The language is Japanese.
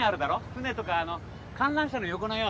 船とかあの観覧車の横のよ